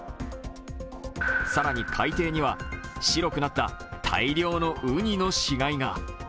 更に、海底には白くなった大量のウニの死骸が。